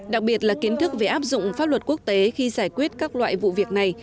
đặc biệt là kiến thức về áp dụng pháp luật quốc tế khi giải quyết các loại vụ việc này